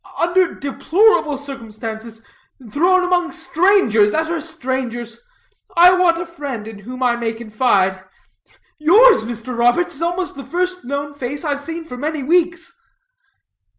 Under deplorable circumstances thrown among strangers, utter strangers. I want a friend in whom I may confide. Yours, Mr. Roberts, is almost the first known face I've seen for many weeks."